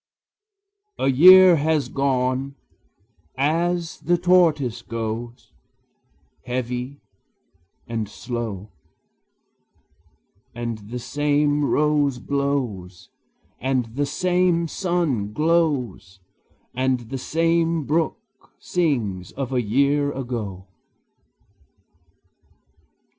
A year has gone, as the tortoise goes, Heavy and slow; And the same rose blows, and the same sun glows, And the same brook sings of a year ago.